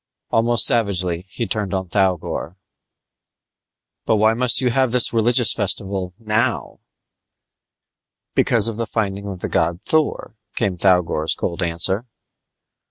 Almost savagely he turned on Thougor. "But why must you have this religious festival now?" "Because of the finding of the god Thor," came Thougor's cold answer.